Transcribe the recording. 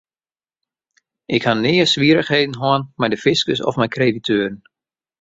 Ik ha nea swierrichheden hân mei de fiskus of mei krediteuren.